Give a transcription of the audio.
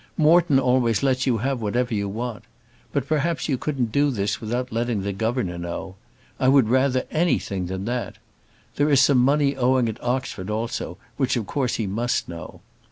Moreton always lets you have whatever you want. But perhaps you couldn't do this without letting the governor know. I would rather anything than that. There is some money owing at Oxford also, which of course he must know.